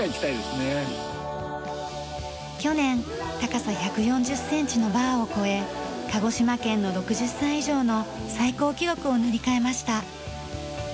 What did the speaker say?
去年高さ１４０センチのバーを越え鹿児島県の６０歳以上の最高記録を塗り替えました。